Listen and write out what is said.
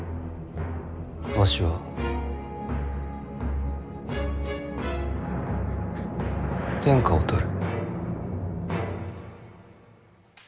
わしは天下を取る。